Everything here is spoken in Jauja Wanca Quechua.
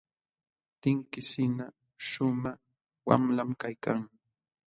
Tinkisinqa shumaq wamlam kaykan.